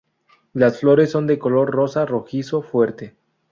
Las flores son de color rosa-rojizo fuerte.